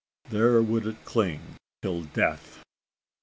There would it cling till death.